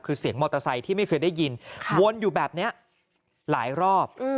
คือเสียงมอเตอร์ไซค์ที่ไม่เคยได้ยินวนอยู่แบบนี้หลายรอบ